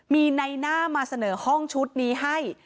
มีในหน้ามาเสนอห้องชุดนี้ให้